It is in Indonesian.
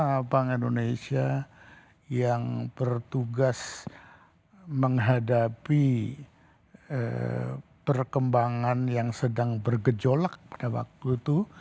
bagaimana bank indonesia yang bertugas menghadapi perkembangan yang sedang bergejolak pada waktu itu